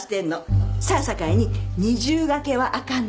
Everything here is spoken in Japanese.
せやさかいに二重がけはあかんの。